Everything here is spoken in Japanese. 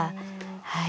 はい。